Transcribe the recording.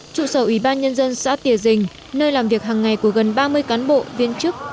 trụ sở ủy ban nhân dân xã tìa dình nơi làm việc hằng ngày của gần ba mươi cán bộ viên chức